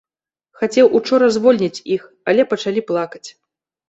Хацеў учора звольніць іх, але пачалі плакаць.